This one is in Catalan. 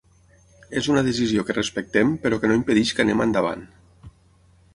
És una decisió que respectem però que no impedeix que anem endavant.